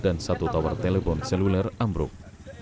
dan satu tawar telepon seluler ambruk